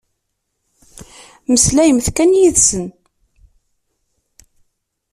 Mmeslayemt kan yid-sen.